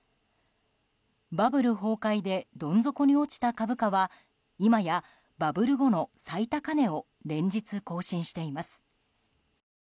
バブル崩壊でどん底に落ちた株価はいまやバブル後の最高値を連日、更新しています。